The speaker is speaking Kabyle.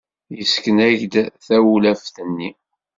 Yessken-ak-d tawlaft-nni?